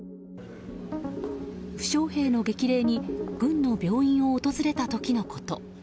負傷兵の激励に軍の病院を訪れた時のこと。